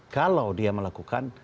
kalau dia melakukan